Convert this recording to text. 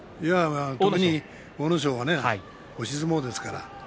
特に阿武咲は押し相撲ですから。